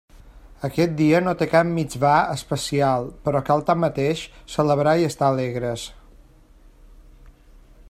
Aquest dia no té cap mitsvà especial, però cal tanmateix celebrar i estar alegres.